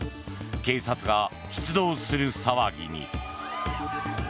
警察が出動する騒ぎに。